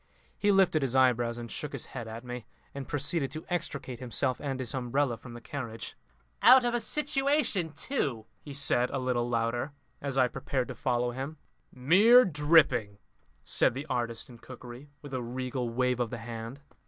He lifted his eyebrows and shook his head at me, and proceeded to extricate himself and his umbrella from the carriage. "Out of a situation too!" he said a little louder as I prepared to follow him. "Mere dripping!" said the artist in cookery, with a regal wave of the hand.